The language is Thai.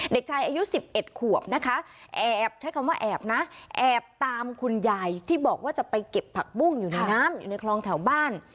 เด็กชายอายุ๑๑ขวบนะคะแอบใช้คำว่าแอบนะแอบตามคุณยายที่บอกว่าจะไปเก็บผักบุ้งอยู่ในน้ำอยู่ในคลองแถวบ้าน